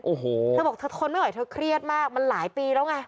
โอ้โหเธอบอกเธอทนไม่ไหวเธอเครียดมากมันหลายปีแล้วไง